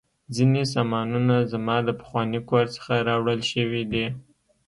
ځینې سامانونه زما د پخواني کور څخه راوړل شوي دي